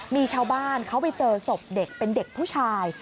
มีชาวบ้านเขาไปเจอศพเด็กเป็นเด็กผู้ชาย